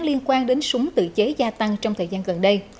liên quan đến súng tự chế gia tăng trong thời gian gần đây